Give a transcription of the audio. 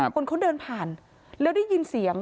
คนเขาเดินผ่านแล้วได้ยินเสียง